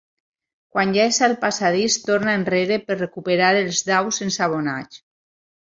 Quan ja és al passadís torna enrere per recuperar els daus ensabonats.